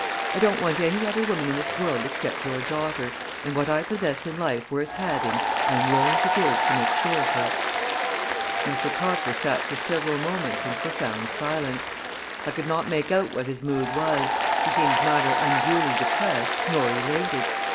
I don't want any other woman in this world except your daughter, and what I possess in life worth having I am willing to give to make sure of her." Mr. Parker sat for several moments in profound silence. I could not make out what his mood was, He seemed neither unduly depressed nor elated.